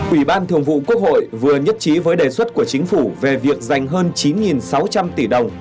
ủy ban thường vụ quốc hội vừa nhất trí với đề xuất của chính phủ về việc dành hơn chín sáu trăm linh tỷ đồng